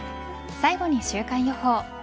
最後に週間予報。